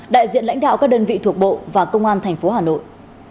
đại diện lãnh đạo các đơn vị thuộc bộ và công an tp hà nội